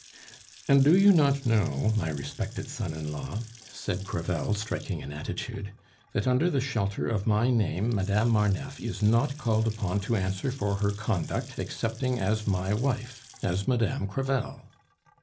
"And do you not know, my respected son in law," said Crevel, striking an attitude, "that under the shelter of my name Madame Marneffe is not called upon to answer for her conduct excepting as my wife as Madame Crevel?"